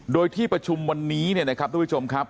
โดยที่ประชุมวันนี้เนี่ยนะครับทุกผู้ชมครับ